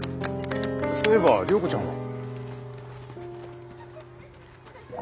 そういえば良子ちゃんは？